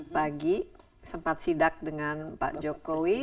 pagi sempat sidak dengan pak jokowi